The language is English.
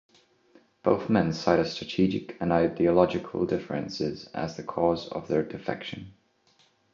Both men cited strategic and ideological differences as the cause of their defection.